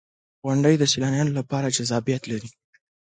• غونډۍ د سیلانیانو لپاره جذابیت لري.